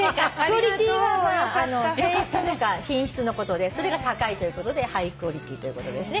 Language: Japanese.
クオリティーが性質とか品質のことでそれが高いということでハイクオリティーということです。